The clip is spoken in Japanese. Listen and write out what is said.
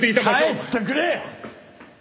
帰ってくれ！